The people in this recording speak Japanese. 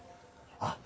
あっ！